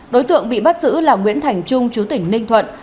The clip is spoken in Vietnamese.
đối tượng bị bắt giữ là nguyễn thành trung chú tỉnh ninh thuận